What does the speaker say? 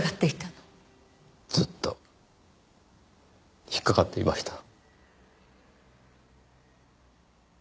ずっと引っかかっていました。